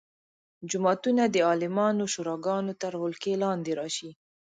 جوماتونه د عالمانو شوراګانو تر ولکې لاندې راشي.